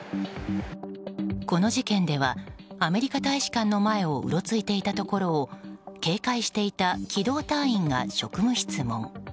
この事件ではアメリカ大使館の前をうろついていたところを警戒していた機動隊員が職務質問。